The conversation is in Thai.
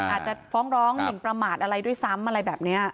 อาจจะฟ้องร้องหมินประมาทอะไรด้วยซ้ำอะไรแบบนี้